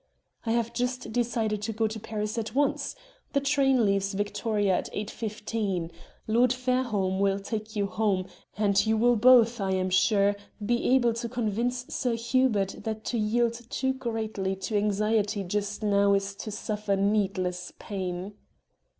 "I have just decided to go to Paris at once. The train leaves Victoria at 8.15. Lord Fairholme will take you home, and you will both, I am sure, be able to convince Sir Hubert that to yield too greatly to anxiety just now is to suffer needless pain."